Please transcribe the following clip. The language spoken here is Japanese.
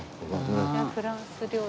フランス料理。